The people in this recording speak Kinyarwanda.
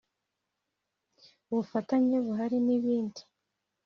ubufatanye buhari n’ibindi